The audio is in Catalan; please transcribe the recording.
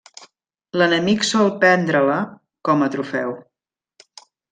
L'enemic sol prendre-la com a trofeu.